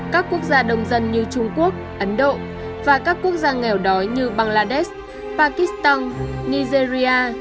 các quốc gia đông dân như trung quốc ấn độ và các quốc gia nghèo đói như bangladesh pakistan nigeria